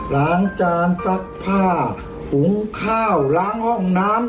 ล้างจานซักผ้าหุงข้าวล้างห้องน้ำ